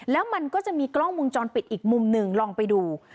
แล้วมันก็จะมีกล้องวงจรปิดอีกมุมหนึ่งลองไปดู